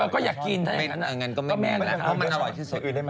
ก็อยากกินไม่งั้นก็ไม่แบบนั้น